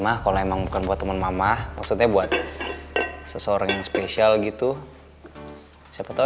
mah kalau emang bukan buat temen mama maksudnya buat seseorang yang spesial gitu siapa tau